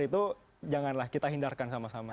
itu janganlah kita hindarkan sama sama